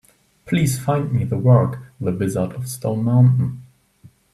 Please find me the work, The Wizard of Stone Mountain.